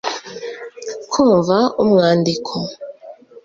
kumva umwandiko